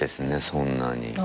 そんなに。